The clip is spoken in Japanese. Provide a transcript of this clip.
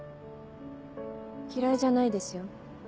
嫌いじゃないですよ。